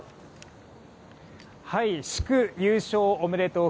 祝優勝おめでとう！